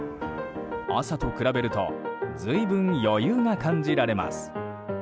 朝と比べると随分、余裕が感じられます。